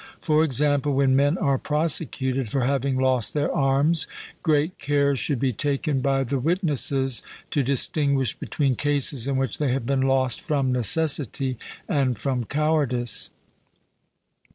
For example, when men are prosecuted for having lost their arms, great care should be taken by the witnesses to distinguish between cases in which they have been lost from necessity and from cowardice.